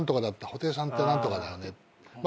「布袋さんって何とかだよね」